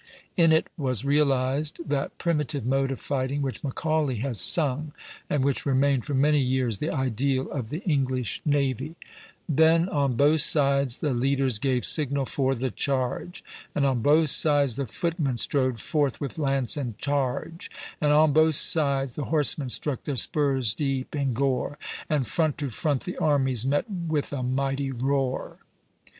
In it was realized that primitive mode of fighting which Macaulay has sung, and which remained for many years the ideal of the English navy: "Then on both sides the leaders Gave signal for the charge; And on both sides the footmen Strode forth with lance and targe; And on both sides the horsemen Struck their spurs deep in gore, And front to front the armies Met with a mighty roar."